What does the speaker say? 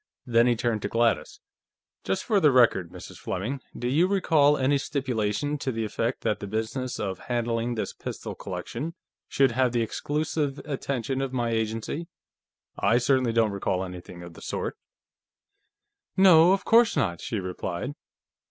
Then he turned to Gladys. "Just for the record, Mrs. Fleming, do you recall any stipulation to the effect that the business of handling this pistol collection should have the exclusive attention of my agency? I certainly don't recall anything of the sort." "No, of course not," she replied.